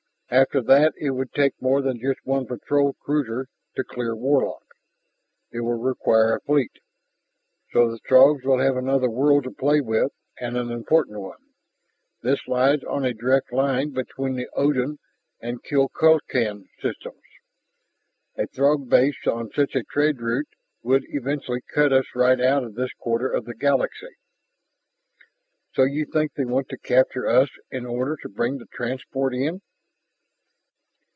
After that it would take more than just one patrol cruiser to clear Warlock; it will require a fleet. So the Throgs will have another world to play with, and an important one. This lies on a direct line between the Odin and Kulkulkan systems. A Throg base on such a trade route could eventually cut us right out of this quarter of the galaxy." "So you think they want to capture us in order to bring the transport in?"